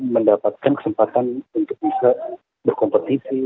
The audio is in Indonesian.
mendapatkan kesempatan untuk bisa berkompetisi